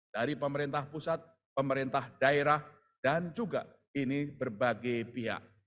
dari pemerintah pusat pemerintah daerah dan juga ini berbagai pihak